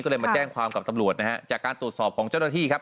ก็เลยมาแจ้งความกับตำรวจนะฮะจากการตรวจสอบของเจ้าหน้าที่ครับ